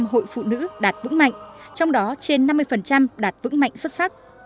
một trăm linh hội phụ nữ đạt vững mạnh trong đó trên năm mươi đạt vững mạnh xuất sắc